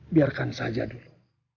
biarkan saja dulu